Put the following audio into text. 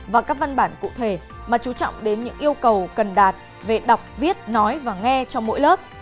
và các văn bản cụ thể mà chú trọng đến những yêu cầu cần đạt về đọc viết nói và nghe cho mỗi lớp